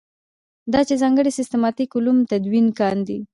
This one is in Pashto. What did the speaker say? دا چې ځانګړي سیسټماټیک علوم تدوین کاندي.